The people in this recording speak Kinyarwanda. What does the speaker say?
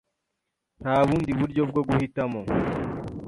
Nta bundi buryo bwo guhitamo.